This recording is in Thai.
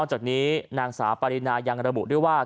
แบบนี้นางสารินายังระบุเรียกว่า